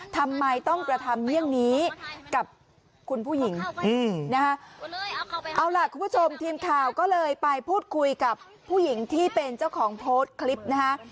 ทำไมต้องกระทำเยี่ยงนี้กับคุณผู้หญิงนะฮะเอาล่ะคุณผู้ชมทีมข่าวก็เลยไปพูดคุยกับผู้หญิงที่เป็นเจ้าของโพสต์คลิปนะฮะ